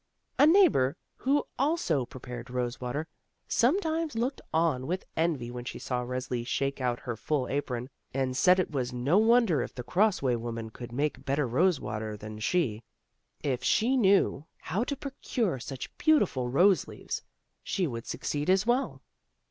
A neighbor who also prepared rose water, sometimes looked on with envy when she saw Resli shake out her full apron, and said it was no wonder if the Cross way woman could make better rosewater than she; if she knew how to 30 THE ROSE CHILD procure such beautiful rose leaves, she would suc ceed as well.